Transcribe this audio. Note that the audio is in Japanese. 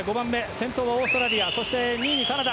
先頭はオーストラリアそして、２位にカナダ。